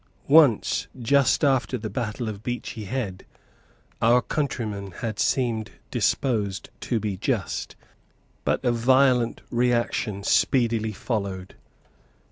Once, just after the battle of Beachy Head, our countrymen had seemed disposed to be just; but a violent reaction speedily followed.